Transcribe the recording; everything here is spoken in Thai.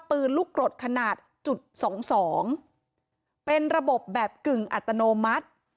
ปืนลูกกรดขนาด๒๒เป็นระบบแบบกึ่งอัตโนมัติ